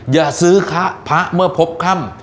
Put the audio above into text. อย่าซื้อภะเมื่อพบคำ